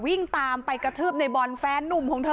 มีชายแปลกหน้า๓คนผ่านมาทำทีเป็นช่วยค่างทาง